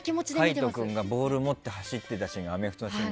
海人君がボール持って走っていたアメフトのシーン